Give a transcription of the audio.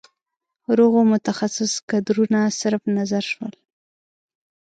روغو متخصص کدرونه صرف نظر شول.